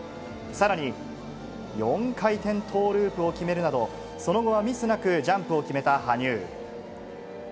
さらに、４回転トーループを決めるなど、その後はミスなくジャンプを決めた羽生。